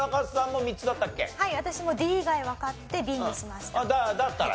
私もＤ以外わかってＢにしました。